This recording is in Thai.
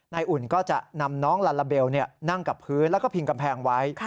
อุ่นก็จะนำน้องลาลาเบลนั่งกับพื้นแล้วก็พิงกำแพงไว้